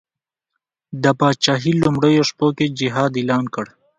د پاچهي لومړیو شپو کې جهاد اعلان کړ.